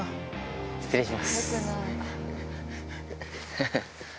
失礼します。